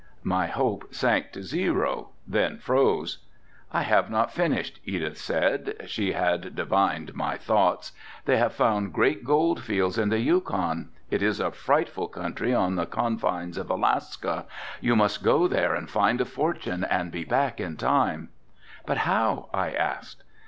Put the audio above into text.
My hopes sank to zero, then froze. "I have not finished," Edith said, she had divined my thoughts, "they have found great gold fields on the Yukon, it is a frightful country on the confines of Alaska. You must go there and find a fortune and be back in time." "But how?" I asked.